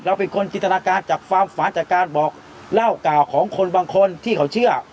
เป็นคนจินตนาการจากความฝันจากการบอกเล่ากล่าวของคนบางคนที่เขาเชื่อ